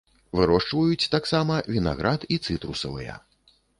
Вырошчваюць таксама вінаград і цытрусавыя.